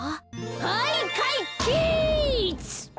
はいかいけつ！